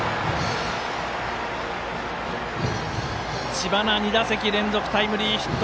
知花、２打席連続タイムリーヒット。